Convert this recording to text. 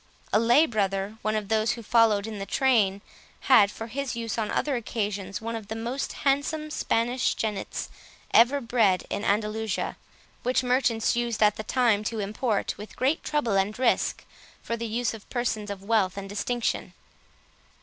A lay brother, one of those who followed in the train, had, for his use on other occasions, one of the most handsome Spanish jennets ever bred at Andalusia, which merchants used at that time to import, with great trouble and risk, for the use of persons of wealth and distinction.